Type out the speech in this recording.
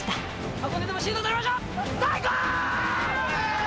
箱根へのシード取りましょう！